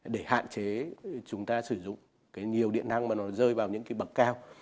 để hạn chế chúng ta sử dụng cái nhiều điện năng mà nó rơi vào những cái bậc cao